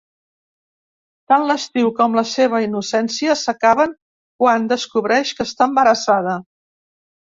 Tant l’estiu com la seva innocència s’acaben quan descobreix que està embarassada.